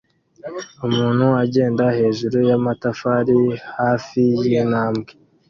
Umuntu agenda hejuru yamatafari hafi yintambwe